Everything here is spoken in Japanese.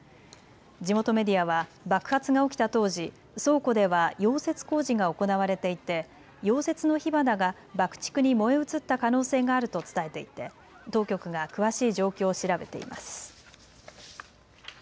地元メディアは爆発が起きた当時、倉庫では溶接工事が行われていて溶接の火花が爆竹に燃え移った可能性があると伝えていて当局が詳しい状況を調べています。